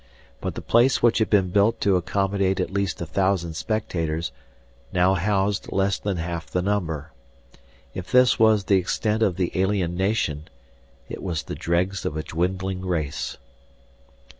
But the place which had been built to accommodate at least a thousand spectators now housed less than half the number. If this was the extent of the alien nation, it was the dregs of a dwindling race.